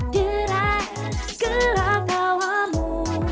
derai gerak awamu